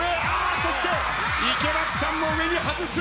そして池松さんも上に外す！